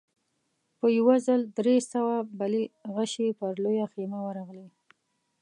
په يوه ځل درې سوه بلې غشې پر لويه خيمه ورغلې.